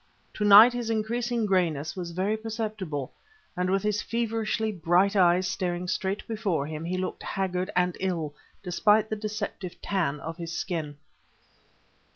To night his increasing grayness was very perceptible, and with his feverishly bright eyes staring straightly before him, he looked haggard and ill, despite the deceptive tan of his skin.